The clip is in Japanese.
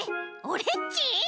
オレっち？